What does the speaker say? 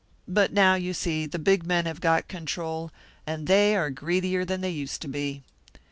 But now, you see, the big men have got control, and they are greedier than they used to be.